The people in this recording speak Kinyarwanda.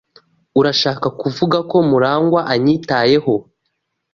Urashaka kuvuga ko Murangwa anyitayeho?